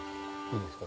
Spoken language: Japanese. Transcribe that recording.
いいですか？